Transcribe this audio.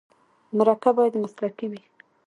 مرکه باید مسلکي وي.